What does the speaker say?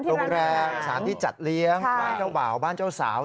โรงแรมสารที่จัดเลี้ยงบ้านเจ้าบ่าวบ้านเจ้าสาว